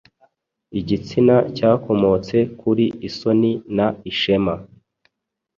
Igitsina cyakomotse kuri Isoni na Ishema,